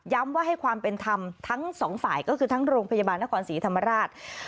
ว่าให้ความเป็นธรรมทั้งสองฝ่ายก็คือทั้งโรงพยาบาลนครศรีธรรมราช